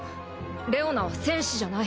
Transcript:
レオナは戦士じゃない。